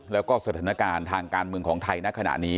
แล้วก็สถานการณ์ทางการเมืองของไทยณขณะนี้